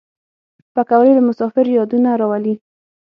پکورې د مسافرو یادونه راولي